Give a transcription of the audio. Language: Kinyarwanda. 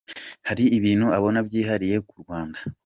Hari ibintu abona byihariye ku Rwanda.